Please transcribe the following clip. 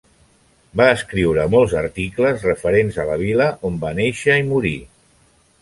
Va escriure molts articles referents a la vila on va nàixer i morir.